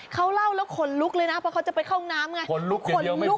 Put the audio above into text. เขาเล่าแล้วขนลุกเลยนะเพราะเขาจะไปเข้าห้องน้ำไงขนลุกอย่างเดียวไม่พอ